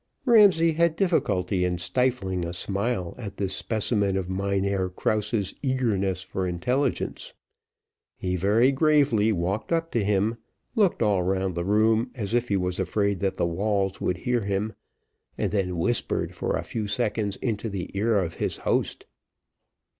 Ramsay had difficulty in stifling a smile at this specimen of Mynheer Krause's eagerness for intelligence. He very gravely walked up to him, looked all round the room as if he was afraid that the walls would hear him, and then whispered for a few seconds into the ear of his host.